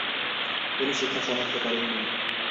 তিনি শিক্ষা সমাপ্ত করেননি।